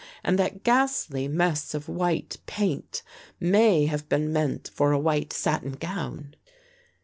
And that ghastly mess of white paint may have been meant for a white satin gown."